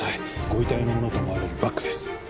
ご遺体のものと思われるバッグです。